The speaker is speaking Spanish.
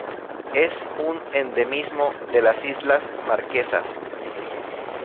Es un endemismo de las islas Marquesas.